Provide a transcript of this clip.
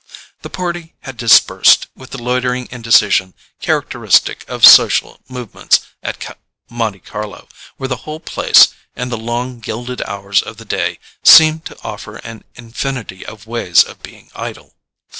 The party had dispersed with the loitering indecision characteristic of social movements at Monte Carlo, where the whole place, and the long gilded hours of the day, seem to offer an infinity of ways of being idle.